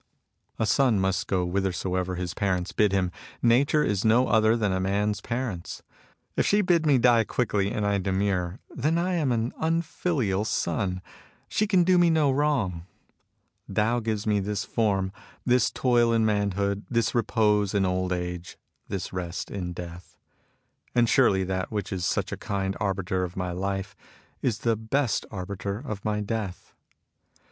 A son must go whithersoever his parents bid him. Nature is no other than a man's parents. If she bid me die quickly, and I demur, then I am an unfilial son. She can do me no wrong. Tao gives me this form, this toil in manhood, tins repose in old age, this rest in death. And surely that which is such a kind arbiter of my life is the best arbiter of my death.